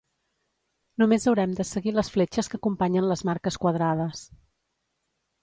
Només haurem de seguir les fletxes que acompanyen les marques quadrades